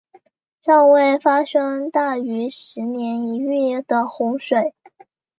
尚未发生大于十年一遇的洪水。